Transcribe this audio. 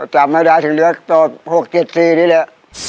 จำไม่ได้ถึงเหลือตอน๖๗๔นี่แหละ